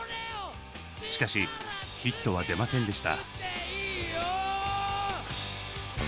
しかしヒットは出ませんでした。